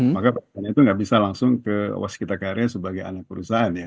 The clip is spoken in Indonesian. maka perusahaan itu nggak bisa langsung ke waskita karya sebagai anak perusahaan ya